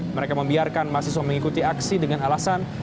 mereka membiarkan mahasiswa mengikuti aksi dengan alasan untuk pengalaman